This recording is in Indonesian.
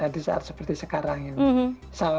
di saat seperti sekarang ini